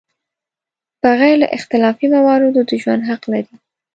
بغیر له اختلافي مواردو د ژوند حق لري.